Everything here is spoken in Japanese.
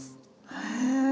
へえ。